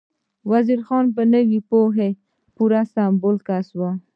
وزیر خان په نوې پوهه پوره سمبال کس و.